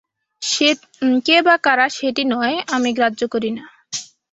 কে বা কারা সেটি নেয়, আমি গ্রাহ্য করি না।